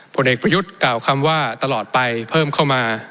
ผลเอกประยุทธ์กล่าวคำว่าตลอดไปเพิ่มเข้ามา